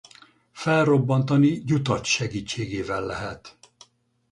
Felrobbantani gyutacs segítségével lehet.